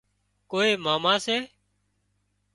ڪوئي ماما سي